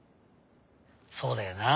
そうだよなあ